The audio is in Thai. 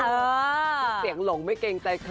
เสียงหลงไม่เกรงใจใคร